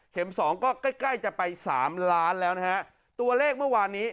เข็มสองก็ใกล้จะไป๓ล้านแล้วนะฮะตัวเลขเมื่อวานนี้